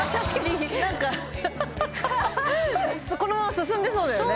このまま進んでそうだよね